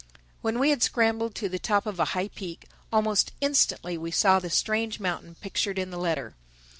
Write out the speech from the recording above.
When we had scrambled to the top of a high peak, almost instantly we saw the strange mountain pictured in the letter.